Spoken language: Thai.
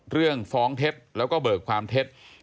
เรื่องฟ้องเท็จแล้วก็เบิกความเท็จ